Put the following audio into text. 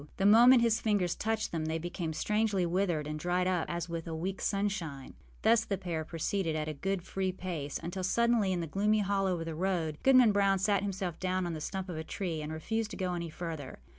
The moment his fingers touched them they became strangely withered and dried up as with a weekâs sunshine. Thus the pair proceeded, at a good free pace, until suddenly, in a gloomy hollow of the road, Goodman Brown sat himself down on the stump of a tree and refused to go any farther.